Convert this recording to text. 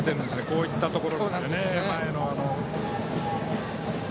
こういったところですよね。